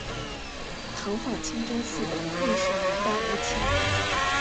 塘坊清真寺的历史年代为清。